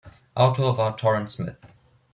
Autor war Toren Smith.